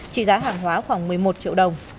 trị giá hàng hóa khoảng một mươi một triệu đồng